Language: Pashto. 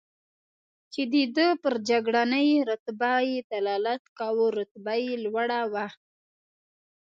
چې د ده پر جګړنۍ رتبه یې دلالت کاوه، رتبه یې لوړه وه.